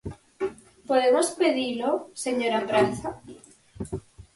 ¿Podemos pedilo, señora Praza?